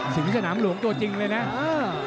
สิงห์สนามหลวงตัวจริงเลยนะเอ่อ